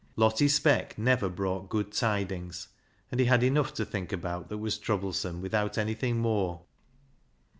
Lottie Speck never brought good tidings, and he had enough to think about that was trouble some without anything more.